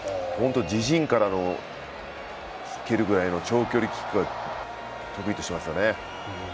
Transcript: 自陣から蹴るぐらいの長距離キックを得意としています。